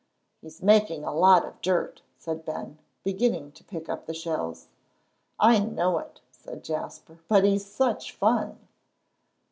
"He's making a lot of dirt," said Ben, beginning to pick up the shells. "I know it," said Jasper, "but he's such fun."